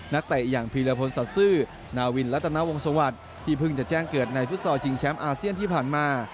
นักเตะอย่างภีรพนศาสตร์ซื่อนาวินและตนาวงศวรรษที่เพิ่งจะแจ้งเกิดในฟุตสอร์จิงแชมป์อาเซียนที่ผ่านมา